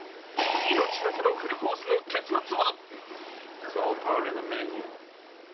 命がけのフルコースの結末は？